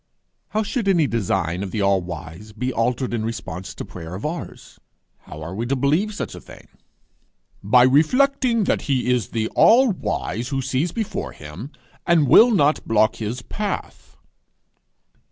'How should any design of the All wise be altered in response to prayer of ours!' How are we to believe such a thing? By reflecting that he is the All wise, who sees before him, and will not block his path.